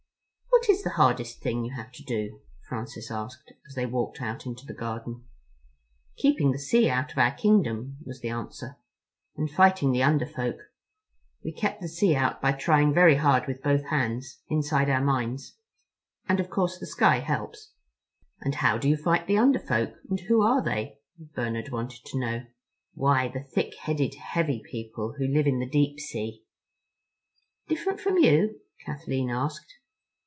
"What is the hardest thing you have to do?" Francis asked as they walked out into the garden. "Keeping the sea out of our kingdom," was the answer, "and fighting the Under Folk. We kept the sea out by trying very hard with both hands, inside our minds. And, of course, the sky helps." "And how do you fight the Under Folk—and who are they?" Bernard wanted to know. "Why, the thick headed, heavy people who live in the deep sea." "Different from you?" Kathleen asked.